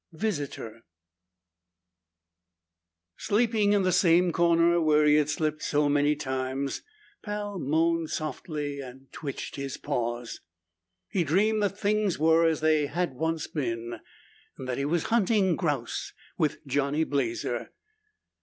VISITOR Sleeping in the same corner where he had slept so many times, Pal moaned softly and twitched his paws. He dreamed that things were as they had once been and that he was hunting grouse with Johnny Blazer.